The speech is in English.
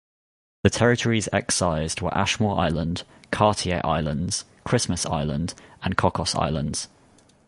The territories excised were Ashmore Island, Cartier Islands, Christmas Island, and Cocos Islands.